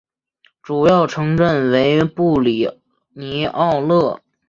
主要城镇为布里尼奥勒。